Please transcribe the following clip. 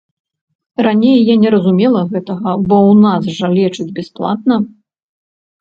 Раней я не разумела гэтага, бо ў нас жа лечаць бясплатна.